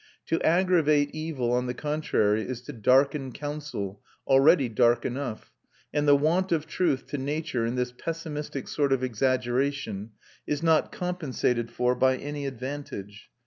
To aggravate evil, on the contrary, is to darken counsel already dark enough and the want of truth to nature in this pessimistic sort of exaggeration is not compensated for by any advantage.